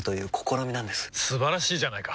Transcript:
素晴らしいじゃないか！